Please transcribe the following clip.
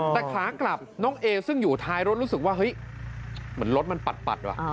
แต่ขากลับน้องเอซึ่งอยู่ท้ายรถรู้สึกว่าเฮ้ยเหมือนรถมันปัดว่ะ